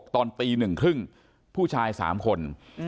ตอนตี๑ครึ่งผู้ชาย๓คน